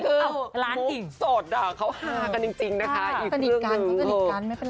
คือร้านหญิงสดอ่ะเขาฮากันจริงนะคะอีกเรื่องหนึ่ง